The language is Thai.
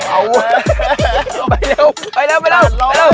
เอาเว้ยไปเร็วไปเร็วไปเร็ว